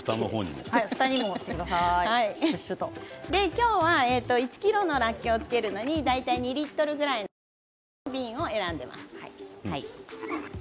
今日は１ｋｇのらっきょうを漬けるのに２リットルぐらいのサイズの瓶を選んでいます。